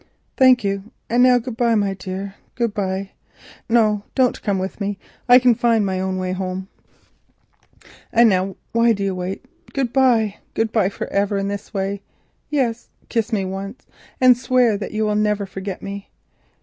"Thank you; and now good bye, my dear, good bye! No, don't come with me, I can find my own way home. And—why do you wait? Good bye, good bye for ever in this way. Yes, kiss me once and swear that you will never forget me.